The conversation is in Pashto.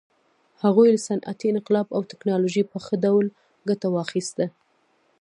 هغوی له صنعتي انقلاب او ټکنالوژۍ په ښه ډول ګټه واخیسته.